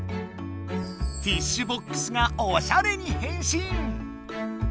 ティッシュボックスがおしゃれにへんしん！